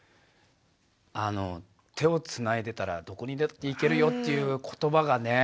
あの「手をつないでたらどこにだって行けるよ」っていう言葉がね